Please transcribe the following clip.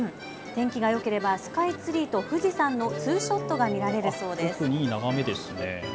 天気がよければスカイツリーと富士山のツーショットが見られるそうです。